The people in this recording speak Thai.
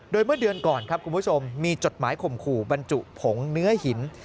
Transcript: โดยเมื่อเดือนก่อนครับคุณผู้ชมมีจดหมายข่มขู่บรรจุผงเนื้อหิน